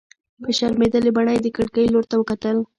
په شرمېدلې بڼه يې د کړکۍ لور ته وکتل.